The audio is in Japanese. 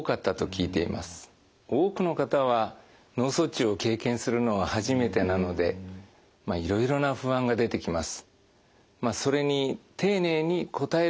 多くの方は脳卒中を経験するのは初めてなのでいろいろな不安が出てきます。